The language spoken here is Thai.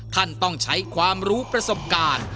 ท่านต้องใช้ความรู้ประสบการณ์